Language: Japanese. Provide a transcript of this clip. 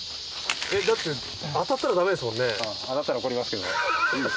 えっだって当たったらダメですもんね。